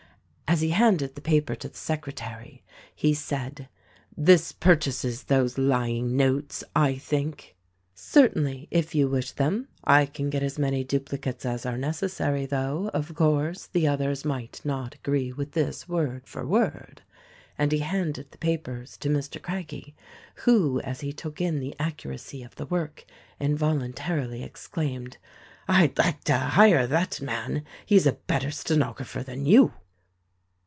As he handed the paper to the secretary he said, "This purchases those lying notes, I think?" "Certainly, if you wish them. I can get as many dupli cates as are necessary, though, of course, the others might not agree with this word for word" — and he handed the papers to Air. Craggie who, as he took in the accuracy of the work involuntarily exclaimed, "I'd like to hire that man. He is a better stenographer than you."